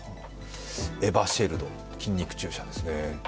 エバシェルド、筋肉注射ですね。